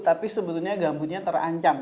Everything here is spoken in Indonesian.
tapi sebetulnya gambutnya terancam